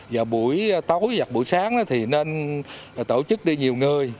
và buổi tối và buổi sáng thì nên tổ chức đi nhiều người